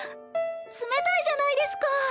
冷たいじゃないですか。